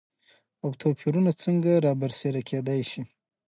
او توپېرونه څنګه رابرسيره کېداي شي؟